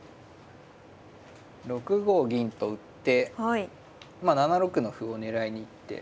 ６五銀と打ってまあ７六の歩を狙いに行って。